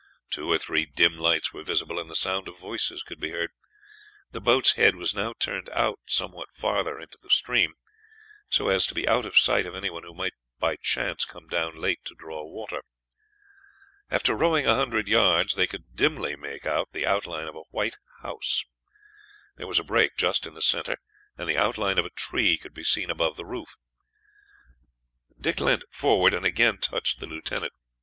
Two or three dim lights were visible, and the sound of voices could be heard. The boat's head was now turned out somewhat farther into the stream, so as to be out of sight of anyone who might by chance come down late to draw water. After rowing a hundred yards they could dimly make out the outline of a white house. There was a break just in the center, and the outline of a tree could be seen above the roof. Dick leant forward and again touched the lieutenant.